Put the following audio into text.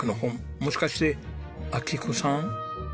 もしかして明彦さん？